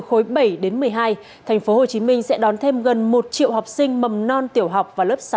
khối bảy đến một mươi hai thành phố hồ chí minh sẽ đón thêm gần một triệu học sinh mầm non tiểu học và lớp sáu